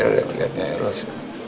saya ada melihatnya eros